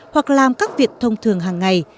hoặc làm các việc thông thường hàng ngày